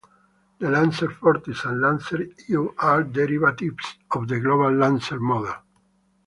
The Lancer Fortis and Lancer iO are derivatives of the global Lancer model.